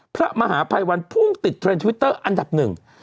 พระมหาภัยวันพุ่งติดเทรนด์ทวิตเตอร์อันดับหนึ่ง